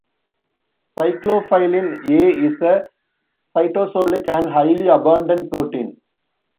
Cyclophilin A is a cytosolic and highly abundant protein.